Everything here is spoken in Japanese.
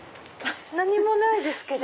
何もないですけど。